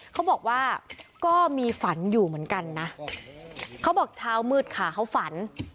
เขาบอกว่าก็มีฝันอยู่เหมือนกันนะเขาบอกเช้ามืดค่ะเขาฝัน